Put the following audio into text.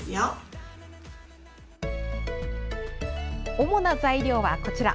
主な材料はこちら。